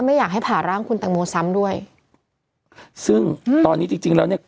ไม่อยากให้ผ่าร่างคุณตังโมซ้ำด้วยซึ่งอืมตอนนี้จริงจริงแล้วเนี้ย